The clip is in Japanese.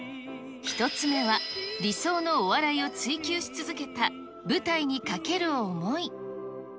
１つ目は、理想のお笑いを追求し続けた、舞台にかける思い。